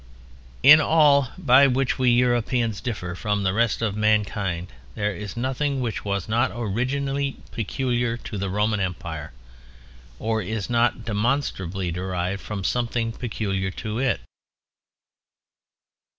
In all by which we Europeans differ from the rest of mankind there is nothing which was not originally peculiar to the Roman Empire, or is not demonstrably derived from something peculiar to it.